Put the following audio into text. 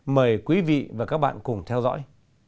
mời quý vị và các bạn cùng theo dõi